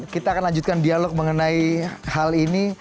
kita akan lanjutkan dialog mengenai hal ini